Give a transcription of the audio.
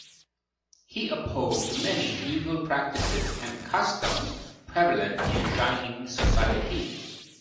He opposed many evil practices and customs prevalent in Jain society.